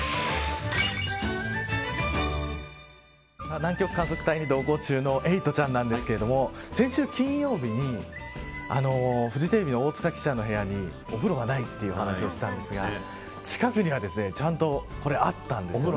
南極観測隊に同行中のエイトちゃんなんですが先週金曜日にフジテレビの大塚記者の部屋にお風呂がないという話をしたんですが近くにはちゃんとあったんですね。